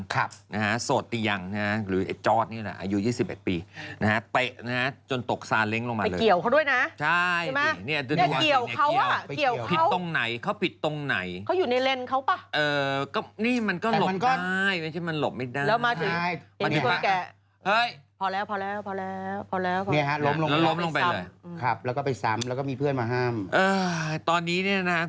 คุณลุงจรูนที่จรุนเหมือนกันจรุนเหมือนกันนั่นตำรวจคาบอันนี้ลุงซาเล้ง